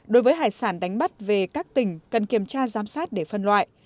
đối với hải sản đánh bắt về các tỉnh cần kiểm tra giám sát để phân loại